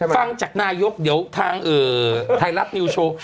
ฟังจากนายกเดี๋ยวทางไทยรัฐนิวโชว์